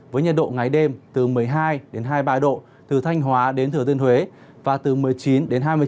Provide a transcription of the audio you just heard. với nhiệt độ ngay đêm từ một mươi hai đến hai mươi ba độ từ thanh hóa đến thừa tuyên huế